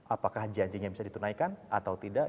apakah janjinya bisa ditunaikan atau tidak